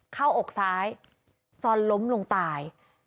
เข้าอกซ้ายซอนล้มลงตาย